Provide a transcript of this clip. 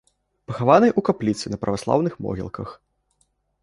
Пахаваны ў капліцы на праваслаўных могілках.